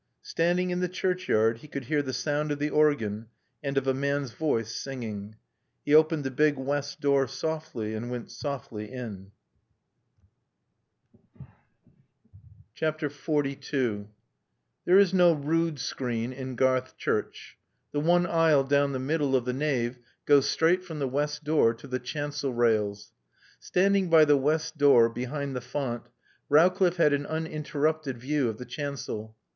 Standing in the churchyard, he could hear the sound of the organ and of a man's voice singing. He opened the big west door softly and went softly in. XLII There is no rood screen in Garth church. The one aisle down the middle of the nave goes straight from the west door to the chancel rails. Standing by the west door, behind the font, Rowcliffe had an uninterrupted view of the chancel.